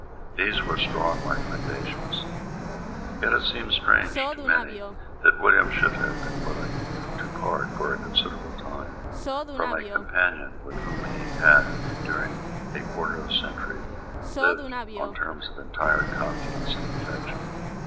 These were strong recommendations. Yet it seemed strange to many that William should have been willing to part, for a considerable time, from a companion with whom he had during a quarter of a century lived on terms of entire confidence and affection.